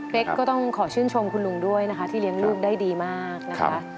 ก็ต้องขอชื่นชมคุณลุงด้วยนะคะที่เลี้ยงลูกได้ดีมากนะคะ